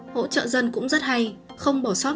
hỗ trợ dân cũng rất hay không bỏ sót